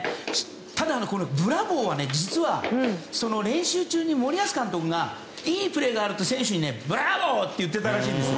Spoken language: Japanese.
ただブラボーは練習中に森保監督がいいプレーがあると選手にブラボーって言ってたらしいんです。